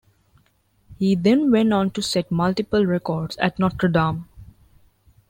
He then went on to set multiple records at Notre Dame.